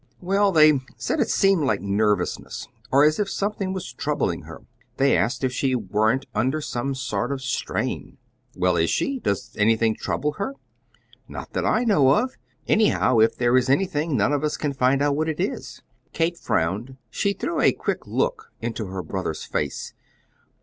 "Why, they said it seemed like nervousness, or as if something was troubling her. They asked if she weren't under some sort of strain." "Well, is she? Does anything trouble her?" "Not that I know of. Anyhow, if there is anything, none of us can find out what it is." Kate frowned. She threw a quick look into her brother's face.